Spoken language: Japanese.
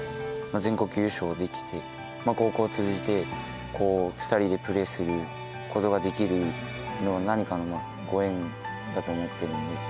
全国優勝できて、高校通じて２人でプレーすることができるのは、何かのご縁だと思ってるので。